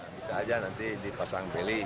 bisa aja nanti dipasang pilih